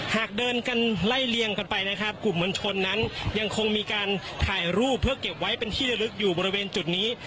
หากเดินกันไล่เลี่ยงกันไปนะครับกลุ่มมวลชนนั้นยังคงมีการถ่ายรูปเพื่อเก็บไว้เป็นที่ระลึกอยู่บริเวณจุดนี้